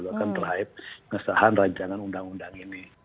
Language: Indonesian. bahkan terhaib kesalahan rancangan undang undang ini